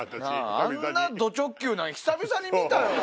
あんなド直球なん久々に見たよ。